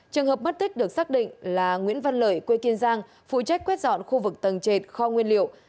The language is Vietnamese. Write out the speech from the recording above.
trường hợp mất tích được xác định là nguyễn văn lợi quê kiên giang phụ trách quét dọn khu vực tầng trệt kho nguyên liệu